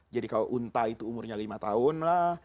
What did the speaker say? jadi kalau unta itu umurnya lima tahun lah